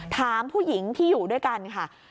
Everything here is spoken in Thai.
ถามผู้หญิงที่อยู่ด้วยกันค่ะ